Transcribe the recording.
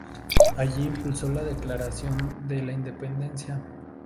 Allí impulsó la declaración de la Independencia.